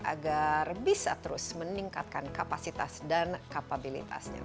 agar bisa terus meningkatkan kapasitas dan kapabilitasnya